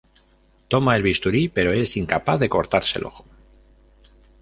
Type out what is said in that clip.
Toma el bisturí, pero es incapaz de cortarse el ojo.